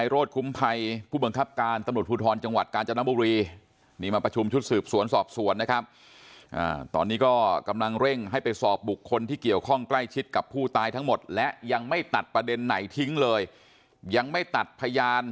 เราไม่รู้เรื่องเราไม่เกี่ยวของเราไม่ได้ยุ่งอะไรกับเขา